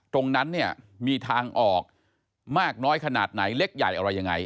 ตรงนั้นเนี่ยมีทางออกมากน้อยขนาดไหนเล็กใหญ่อะไรยังไง